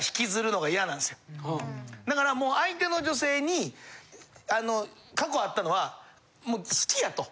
だからもう相手の女性に過去あったのはもう好きやと。